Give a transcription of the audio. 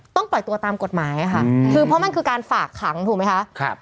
ปล่อยตัวตามกฎหมายค่ะคือเพราะมันคือการฝากขังถูกไหมคะครับ